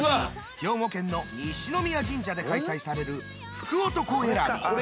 兵庫県の西宮神社で開催される福男選び。